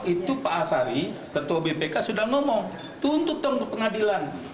itu pak asari ketua bpk sudah ngomong tuntut dong ke pengadilan